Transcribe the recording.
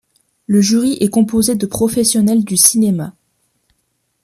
Le jury est composé de professionnels du cinéma.